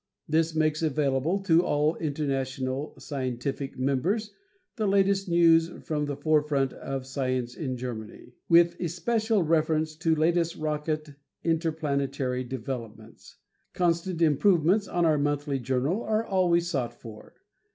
This makes available to all "Internationale Scientific" members the latest news from the forefront of science in Germany, with especial reference to latest rocket interplanetary developments. Constant improvements on our monthly journal are always sought for.